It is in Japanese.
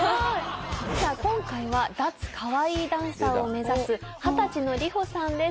さあ今回は脱カワイイダンサーを目指す二十歳のＲｉｈｏさんです。